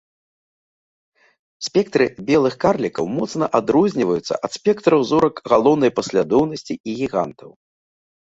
Спектры белых карлікаў моцна адрозніваюцца ад спектраў зорак галоўнай паслядоўнасці і гігантаў.